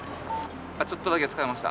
ちょっとだけ使いました。